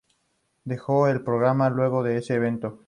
Dejó el programa luego de ese evento.